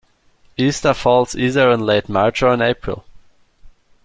Easter falls either in late March or in April